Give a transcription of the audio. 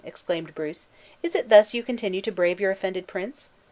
exclaimed Bruce, "is it thus you continue to brave your offended prince?